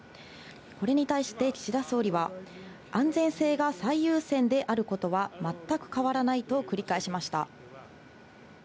これに対して岸田総理は、安全性が最優先であることは全く変わらないと繰り返しました。